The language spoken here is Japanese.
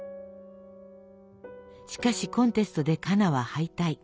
しかしコンテストでカナは敗退。